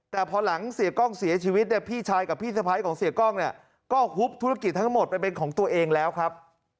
แต่พอหลังเสียกล้องเสียชีวิตเนี่ยพี่ชายกับพี่สะพ้ายของเสียกล้องเนี่ยก็ฮุบธุรกิจทั้งหมดไปเป็นของตัวเองแล้วครับ